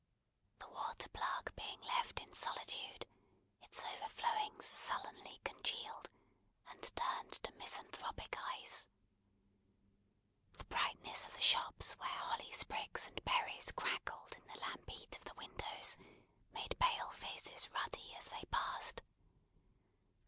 The water plug being left in solitude, its overflowings sullenly congealed, and turned to misanthropic ice. The brightness of the shops where holly sprigs and berries crackled in the lamp heat of the windows, made pale faces ruddy as they passed.